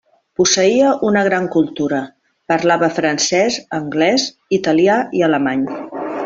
Posseïa una gran cultura, parlava francès, anglès, italià i alemany.